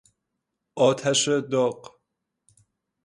آتش داغ